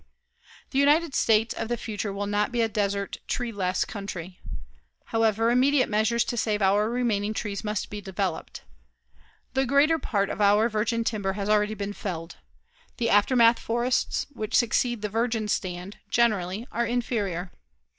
The United States of the future will not be a desert, tree less country. However, immediate measures to save our remaining trees must be developed. The greater part of our virgin timber has already been felled. The aftermath forests, which succeed the virgin stand, generally are inferior.